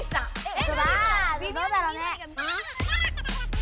どうだろうね？